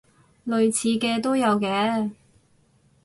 類似嘅都有嘅